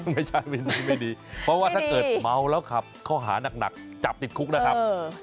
ไม่ได้เพราะว่าแค่แค่เมาแล้วขับเค้าหานักเอาจับติดคุกนะครับ